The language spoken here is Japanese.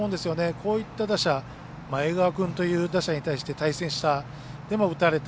こういった打者前川君という打者と対戦した、でも打たれた。